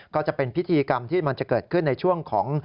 ก็จะเป็นพิธีกรรมที่มันจะเกิดขึ้นในช่วงของ